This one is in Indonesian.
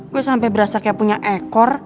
gue sampai berasa kayak punya ekor